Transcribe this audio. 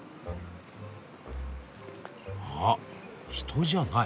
あ人じゃない。